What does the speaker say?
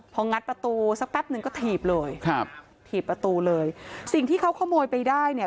พองัดประตูสักแป๊บหนึ่งก็ถีบเลยครับถีบประตูเลยสิ่งที่เขาขโมยไปได้เนี่ย